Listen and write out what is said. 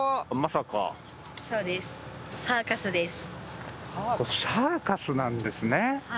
サーカスなんですね。